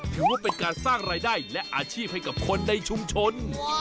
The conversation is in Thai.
ถือว่าเป็นการสร้างรายได้และอาชีพให้กับคนในชุมชน